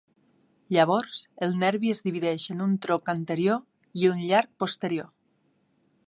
Llavors el nervi es divideix en un tronc anterior i un llarg posterior.